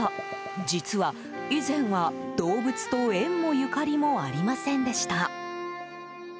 実は、以前は動物と縁もゆかりもありませんでした。